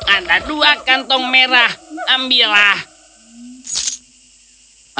ada dua kantong merah ambillah